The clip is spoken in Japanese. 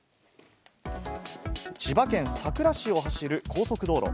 千葉県佐倉市を走る高速道路。